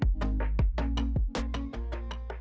kepala penelitian bintang bintang